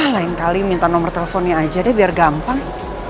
lain kali minta nomor teleponnya aja deh biar gampang